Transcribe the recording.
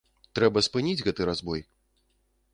Трэба спыніць гэты разбой!